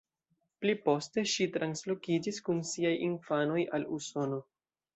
Pli poste, ŝi translokiĝis kun siaj infanoj al Usono.